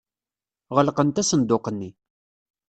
Ɣelqent asenduq-nni.